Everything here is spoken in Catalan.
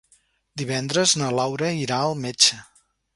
Divendres na Laura irà al metge.